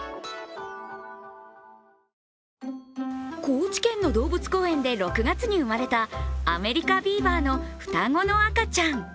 高知県の動物公園で６月に生まれたアメリカビーバーの双子の赤ちゃん。